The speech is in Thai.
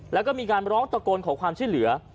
แล้วก็มีการร้องตะโกนขอความช่วยเหลือ